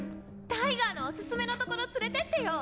タイガーのおすすめの所連れてってよ！